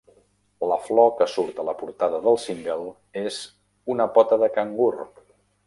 La flor que surt a la portada del single és una pota de cangur.